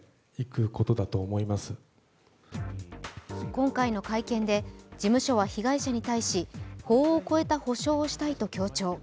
今回の会見で事務所は被害者に対し法を超えた補償をしたいと強調。